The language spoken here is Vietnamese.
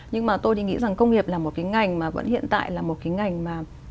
nhưng mà tôi thì nghĩ rằng công nghiệp là một cái ngành mà vẫn hiện tại là một cái ngành mà